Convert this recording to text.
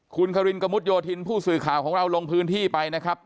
คุณคารินกระมุดโยธินผู้สื่อข่าวของเราลงพื้นที่ไปนะครับ